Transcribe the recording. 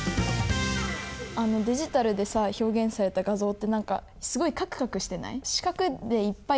デジタルでさ表現された画像って何かすごいカクカクしてない？